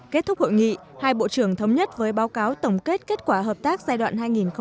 kết thúc hội nghị hai bộ trưởng thống nhất với báo cáo tổng kết kết quả hợp tác giai đoạn hai nghìn một mươi sáu hai nghìn hai mươi